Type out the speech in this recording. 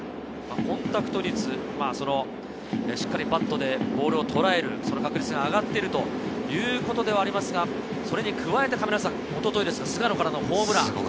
コンタクト率、しっかりとバットでボールをとらえる確率が上がっているということではありますが、それに加えて一昨日、菅野からのホームラン。